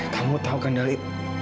kamu tau kan dari